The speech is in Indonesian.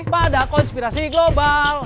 pada konspirasi global